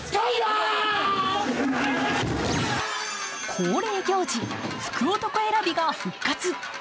恒例行事、福男選びが復活。